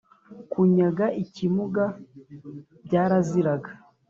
Kunyaga ikimuga byaraziraga